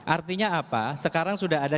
artinya apa sekarang sudah ada